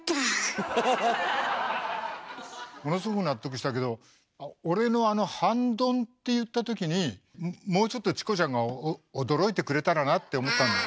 ものすごく納得したけど俺のあの「半ドン」って言ったときにもうちょっとチコちゃんが驚いてくれたらなって思ったんだ。